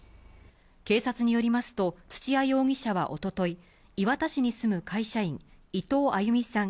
警察によりますと、土屋容疑者はおととい、磐田市に住む会社員、伊藤亜佑美さん